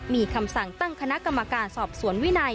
มีคำสั่งตั้งคณะกรรมการสอบสวนวินัย